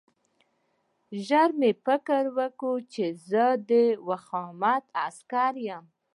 خو ژر مې فکر وکړ چې زه د ویرماخت عسکر یم